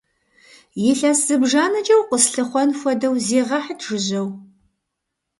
Илъэс зыбжанэкӏэ укъэслъыхъуэн хуэдэу зегъэхьыт жыжьэу!